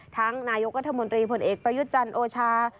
นายกรัฐมนตรีผลเอกประยุทธ์จันทร์โอชา